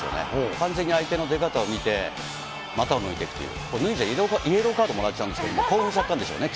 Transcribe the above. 完全に相手の出方を見て、股を抜いてくっていう、これ、イエローカードもらっちゃうんですけど、興奮しちゃったんでしょうね。